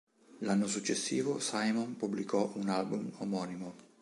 L'anno successivo Simon pubblicò un album omonimo.